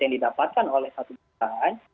yang didapatkan oleh satu jutaan